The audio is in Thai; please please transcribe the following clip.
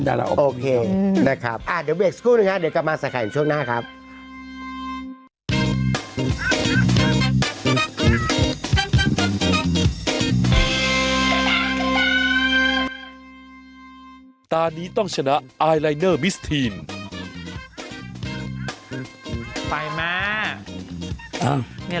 เดี๋ยวห้ามห้ามเนี่ยเป็นหมอดูแล้วห้ามห้ามดูแล้วห้ามห้ามหมอดูแล้วนะครับ